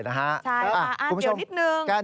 ใช่ค่ะอ่าเดี๋ยวนิดนึง